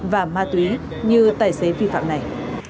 và ma túy như tài xế vi phạm này